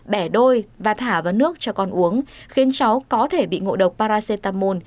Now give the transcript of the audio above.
bẻ đôi và thả vào nước cho con uống khiến cháu có thể bị ngộ độc paracetamol